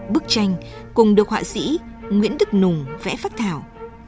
bức tranh cùng được họa sĩ nguyễn đức nùng vẽ phát thảo